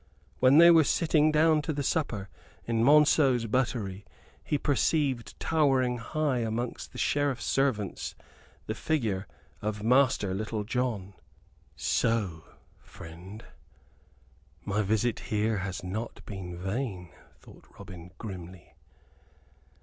When they were sitting down to the supper in Monceux's buttery he perceived towering high amongst the Sheriff's servants the figure of Master Little John. "So, friend, my visit here has not been vain," thought Robin, grimly.